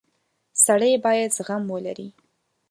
• سړی باید زغم ولري.